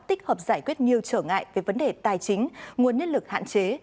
tích hợp giải quyết nhiều trở ngại về vấn đề tài chính nguồn nhất lực hạn chế